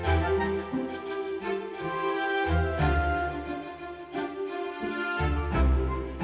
tak ada yang mau ngasih